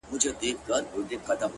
د ملا لوري نصيحت مه كوه “